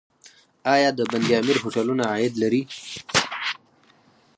آیا د بند امیر هوټلونه عاید لري؟